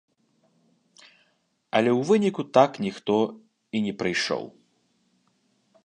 Але ў выніку так ніхто і не прыйшоў.